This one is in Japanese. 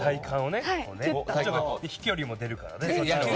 で、飛距離も出るからね。